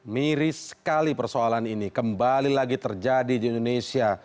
miris sekali persoalan ini kembali lagi terjadi di indonesia